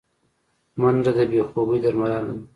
منډه د بې خوبي درملنه ده